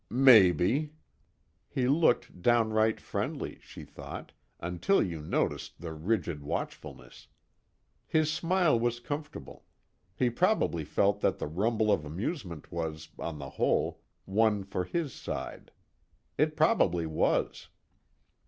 "Maybe." He looked downright friendly, she thought, until you noticed the rigid watchfulness. His smile was comfortable; he probably felt that the rumble of amusement was, on the whole, one for his side. It probably was.